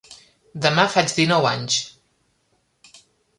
Demà faig denou anys.